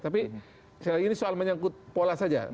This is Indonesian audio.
tapi sekali lagi ini soal menyangkut pola saja